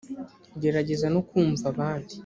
gerageza no kumva abandi .